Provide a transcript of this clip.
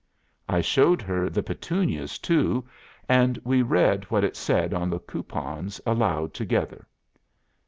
I showed her the Petunias, too, and we read what it said on the coupons aloud together.